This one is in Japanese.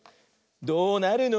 「どうなるの？